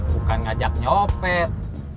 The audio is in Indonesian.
bukan ngajak nyopet